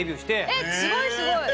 えっすごいすごい。